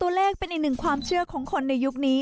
ตัวเลขเป็นอีกหนึ่งความเชื่อของคนในยุคนี้